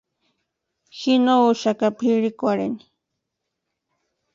Ji no úaka pʼirhikwarhini.